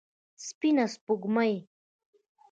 سپينه سپوږمۍ